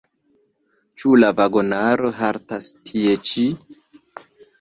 Ĉu la vagonaro haltas tie ĉi?